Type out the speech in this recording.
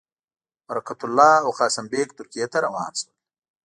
برکت الله او قاسم بېګ ترکیې ته روان شول.